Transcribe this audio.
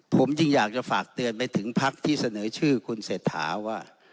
ผมจึงอยากจะฝากเตือนไปถึงพักที่เสนอชื่อคุณเศรษฐาว่า